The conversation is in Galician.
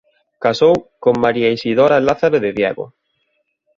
Casou con María Isidora Lázaro de Diego.